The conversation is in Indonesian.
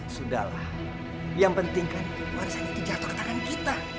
sudahlah yang penting kan warisan itu jatuh ke tangan kita